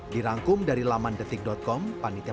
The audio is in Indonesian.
dirangkum dari laman detik com panitia